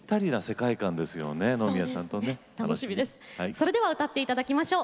それでは歌って頂きましょう。